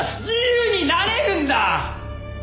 自由になれるんだ！